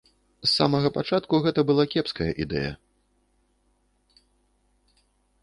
З самага пачатку гэта была кепская ідэя.